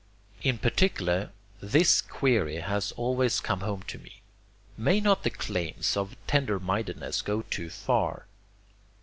In particular THIS query has always come home to me: May not the claims of tender mindedness go too far?